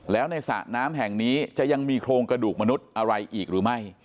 แล้วในสระน้ำแห่งนี้จะยังมีโครงกระดูกมนุษย์อะไรอีกหรือไม่